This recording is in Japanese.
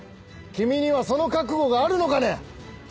君にはその覚悟があるのかね！